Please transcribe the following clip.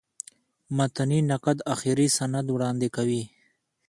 متني نقد آخري سند وړاندي کوي.